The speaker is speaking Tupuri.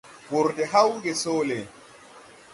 Wùr de hàw gè soole.